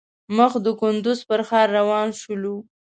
مخ د کندوز پر ښار روان شولو.